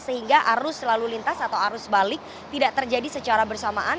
sehingga arus selalu lintas atau arus balik tidak terjadi secara bersamaan